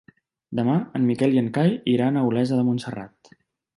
Demà en Miquel i en Cai iran a Olesa de Montserrat.